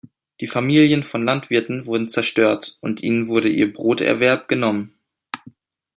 Die Familien von Landwirten wurden zerstört, und ihnen wurde ihr Broterwerb genommen.